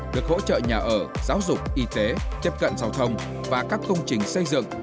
giáo dục y tế tiếp cận giao thông và các công trình xây dựng